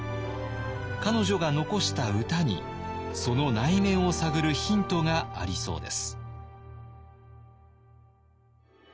彼女が残した歌にその内面を探るヒントがありそうです。